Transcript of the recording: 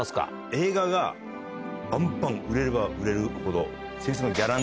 映画がバンバン売れれば売れるほど先生の。